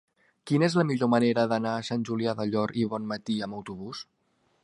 Quina és la millor manera d'anar a Sant Julià del Llor i Bonmatí amb autobús?